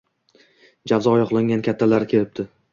Javzo oyoqlagan kattalar kelibdi.